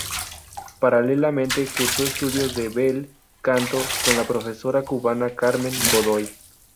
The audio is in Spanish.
Paralelamente, cursó estudios de bel canto con la profesora cubana Carmen Godoy.